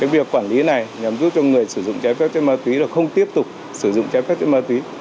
việc quản lý này nhằm giúp cho người sử dụng trái phép chất ma túy không tiếp tục sử dụng trái phép chất ma túy